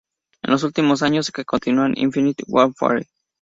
En los últimos años, que continúa en "Infinite Warfare"".